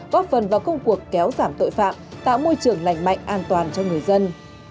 góp phần vào công cuộc kéo giảm tội phạm tạo môi trường lành mạnh an toàn cho người dân